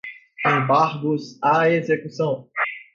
embargos à execução